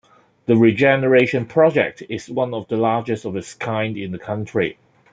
The regeneration project is one of the largest of its kind in the country.